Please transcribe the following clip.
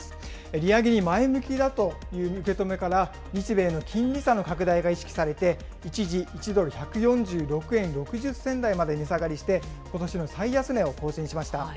利上げに前向きだという受け止めから、日米の金利差の拡大が意識されて、一時、１ドル１４６円６０銭台まで値下がりして、ことしの最安値を更新しました。